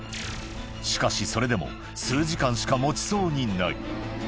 しかし、それでも数時間しかもちそうにない。